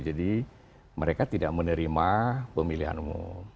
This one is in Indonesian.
jadi mereka tidak menerima pemilihan umum